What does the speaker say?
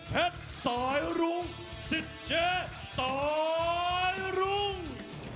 แฮทสายรุ้งสิทเจสายรุ้ง